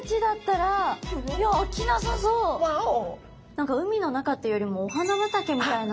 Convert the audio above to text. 何か海の中というよりもお花畑みたいな。